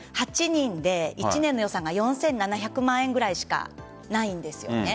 ８人で１年の予算が４７００万円くらいしかないんです。